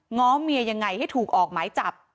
้อเมียยังไงให้ถูกออกหมายจับ